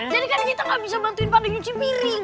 jadi kan kita gak bisa bantuin pakai nyuci piring